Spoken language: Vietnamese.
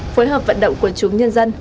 phối hợp vận động của chúng nhân dân